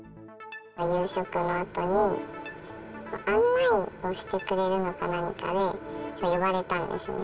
夕食のあとに、案内をしてくれるのか何かで呼ばれたんですね。